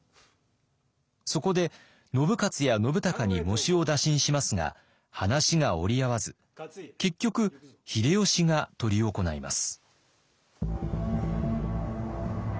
そこで信雄や信孝に喪主を打診しますが話が折り合わず結局秀吉が執り行います。